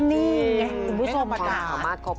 นี่คุณผู้ชมค่ะ